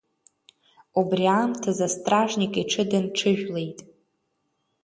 Убри аамҭазы астражник иҽы дынҽыжәлеит.